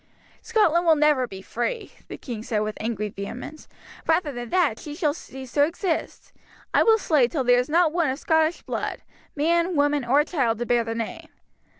"Scotland will never be free," the king said with angry vehemence. "Rather than that, she shall cease to exist, and I will slay till there is not one of Scottish blood, man, woman, or child, to bear the name.